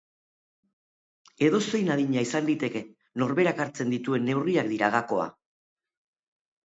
Edozein adina izan liteke, norberak hartzen dituen neurriak dira gakoa.